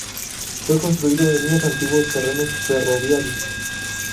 Fue construido en unos antiguos terrenos ferroviarios.